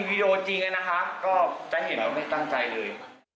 ก็จะเห็นว่าไม่ได้ตั้งใจเลย